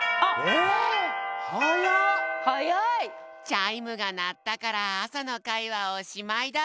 チャイムがなったから朝の会はおしまいだ！